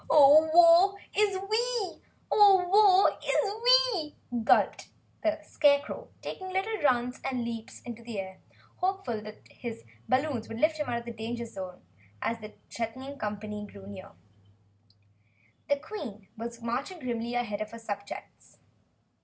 "Oh, woe is we! Oh, woe is we!" gulped the Scarecrow, taking little runs and leaps into the air, hopeful that his balloons would lift him out of the danger zone as the threatening company drew closer. The Queen was marching grimly ahead of her subjects.